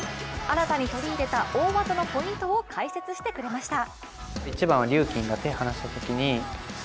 新たに取り入れた大技のポイントを、解説してくれました。